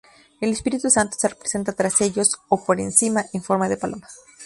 El Espíritu Santo se representa tras ellos o por encima, en forma de paloma.